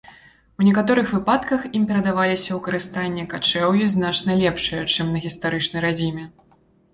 У некаторых выпадках ім перадаваліся ў карыстанне качэўі значна лепшыя, чым на гістарычнай радзіме.